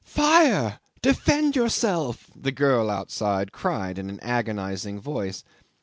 "Fire! Defend yourself," the girl outside cried in an agonising voice.